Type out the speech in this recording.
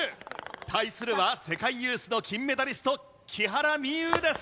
対するは世界ユースの金メダリスト木原美悠です。